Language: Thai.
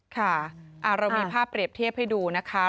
ค่ะเรามีภาพเปรียบเทียบให้ดูนะคะ